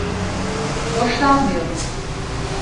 Hoşlanmıyorum.